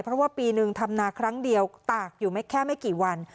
เพราะว่าปีนึงทำนาครั้งเดียวตากอยู่ไม่แค่ไม่กี่วัน